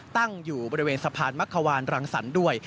ตั้งอยู่บริเวณสะพานมักขวานรังสรรค์ด้วย